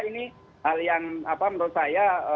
ini hal yang menurut saya